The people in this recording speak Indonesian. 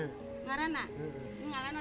ini gak ada dua